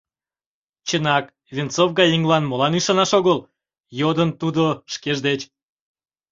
«Чынак, Венцов гай еҥлан молан ӱшанаш огыл? — йодын тудо шкеж деч.